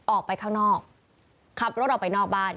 ออกไปข้างนอกขับรถออกไปนอกบ้าน